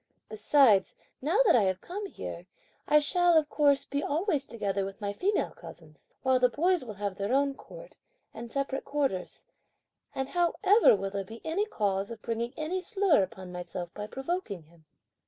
Besides, now that I have come here, I shall, of course, be always together with my female cousins, while the boys will have their own court, and separate quarters; and how ever will there be any cause of bringing any slur upon myself by provoking him?"